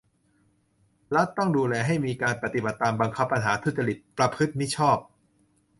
รัฐต้องดูแลให้มีการปฏิบัติตาม บังคับ ปัญหาทุจริต ประพฤติมิชอบ